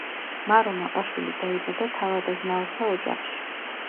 მარო მაყაშვილი დაიბადა თავადაზნაურთა ოჯახში.